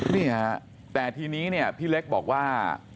นี่ฮะแต่ทีนี้เนี่ยพี่เล็กบอกว่า